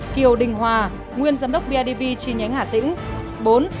ba kiều đình hòa nguyên giám đốc bidv chi nhánh hà tĩnh